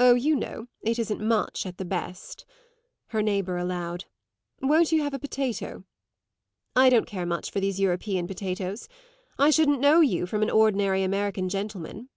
"Oh, you know, it isn't much, at the best," her neighbour allowed. "Won't you have a potato?" "I don't care much for these European potatoes. I shouldn't know you from an ordinary American gentleman."